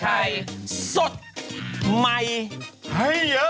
ให้เยอะ